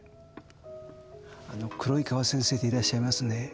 あの黒井川先生でいらっしゃいますね？